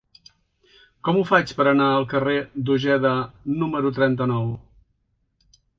Com ho faig per anar al carrer d'Ojeda número trenta-nou?